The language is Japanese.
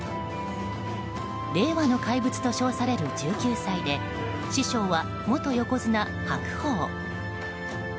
令和の怪物と称される１９歳で師匠は元横綱・白鵬。